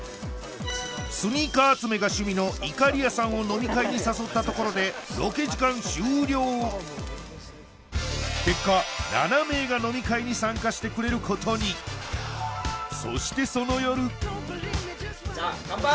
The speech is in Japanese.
スニーカー集めが趣味の碇屋さんを飲み会に誘ったところでロケ時間終了結果してくれることにそしてその夜じゃあ乾杯！